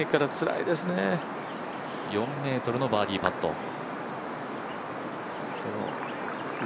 ４ｍのバーディーパット。